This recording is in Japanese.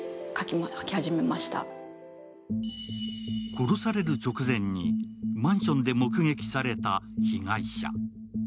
殺される直前にマンションで目撃された被害者。